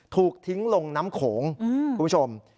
ถูกทิ้งลงน้ำโขงคุณผู้ชม